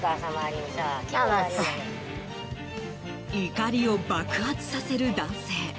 怒りを爆発させる男性。